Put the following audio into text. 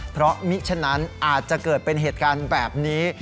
เพราะมิฉะนั้นอาจจะเกิดเป็นเหตุการณ์แบบนี้